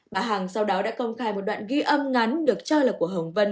bà hằng sau đó đã công khai một đoạn ghi âm ngắn được cho là của hồng vân